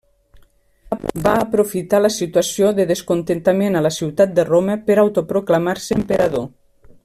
Va aprofitar la situació de descontentament a la ciutat de Roma per autoproclamar-se emperador.